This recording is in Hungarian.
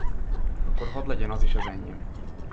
Akkor hadd legyen az is az enyém!